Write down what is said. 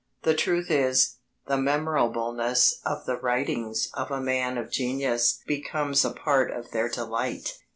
The truth is, the memorableness of the writings of a man of genius becomes a part of their delight.